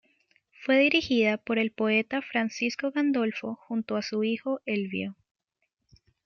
Fue dirigida por el poeta Francisco Gandolfo junto a su hijo Elvio.